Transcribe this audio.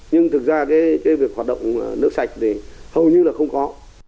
nhưng thực ra cái việc hoạt động nước sạch thì hầu như là không có